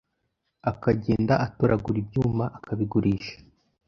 akagenda atoragura ibyuma akabigurisha